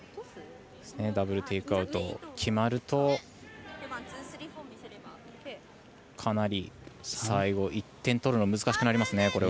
ダブル・テイクアウト決まるとかなり最後、１点取るの難しくなりますね。